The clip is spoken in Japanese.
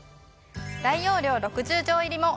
大容量６０錠入りも。